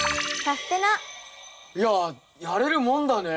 いややれるもんだね。